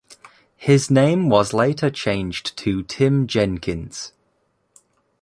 His name was later changed to Tim Jenkins.